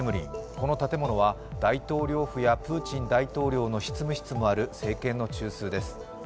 この建物は大統領府やプーチン大統領の執務室もある政権の中枢です。